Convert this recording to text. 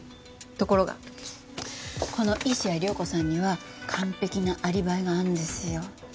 ところがこの石矢涼子さんには完璧なアリバイがあるんですよ。